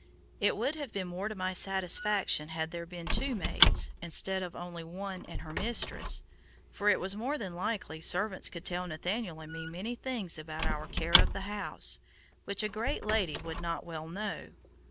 It would have been more to my satisfaction had there been two maids, instead of only one and her mistress, for it was more than likely servants could tell Nathaniel and me many things about our care of the house, which a great lady would not well know.